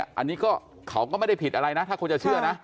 อันนี้ก็เขาก็ไม่ได้ผิดอะไรนะถ้าคนจะเชื่อนะ